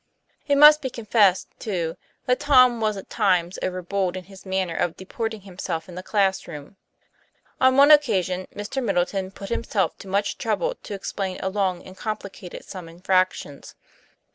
It must be confessed, too, that Tom was at times overbold in his manner of deporting himself in the class room. On one occasion, Mr. Middleton put himself to much trouble to explain along and complicated sum in fractions.